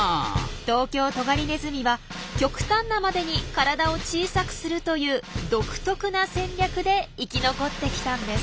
トウキョウトガリネズミは極端なまでに体を小さくするという独特な戦略で生き残ってきたんです。